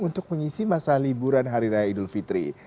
untuk mengisi masa liburan hari raya idul fitri